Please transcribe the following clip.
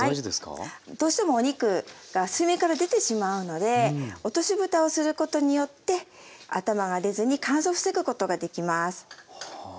どうしてもお肉が水面から出てしまうので落としぶたをすることによって頭が出ずに乾燥を防ぐことができます。